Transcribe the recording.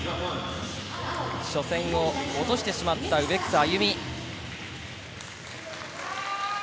初戦を落としてしまった植草歩。